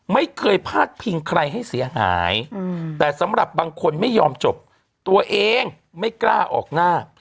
ไม่เคยพาดพิงใครให้เสียหายแต่สำหรับบางคนไม่ยอมจบตัวเองไม่กล้าออกหน้า